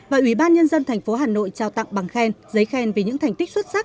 và ủy ban nhân dân thành phố hà nội trao tặng bằng khen giấy khen vì những thành tích xuất sắc